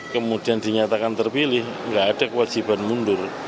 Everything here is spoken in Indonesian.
kemudian dinyatakan terpilih nggak ada kewajiban mundur